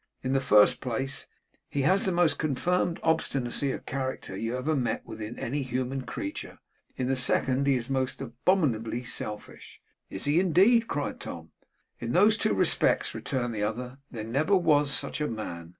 In the first place, he has the most confirmed obstinacy of character you ever met with in any human creature. In the second, he is most abominably selfish.' 'Is he indeed?' cried Tom. 'In those two respects,' returned the other, 'there never was such a man.